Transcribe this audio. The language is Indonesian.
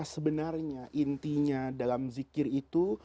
sebenarnya intinya dalam zikir itu